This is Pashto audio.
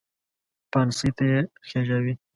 پانسۍ ته یې خېژاوې.